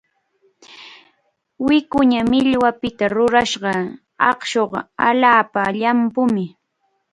Wikuña millwapita rurashqa aqshuqa allaapa llampumi.